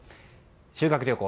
修学旅行